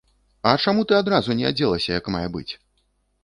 А чаму ты адразу не адзелася як мае быць?